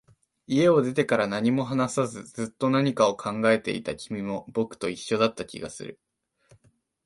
家を出てから、何も話さず、ずっと何かを考えていた君も、僕と一緒だった気がする